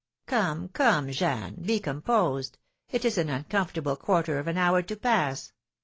"Come, come, Jeanne, be composed; it is an uncomfortable quarter of an hour to pass.